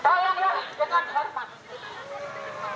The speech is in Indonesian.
tolonglah dengan hormat